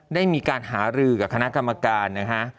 ได้มีการหารือกับคณะกรรมการนะฮะ